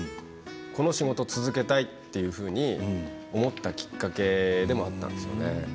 この仕事を続けたいっていうふうに、思ったきっかけでもあったんですよね。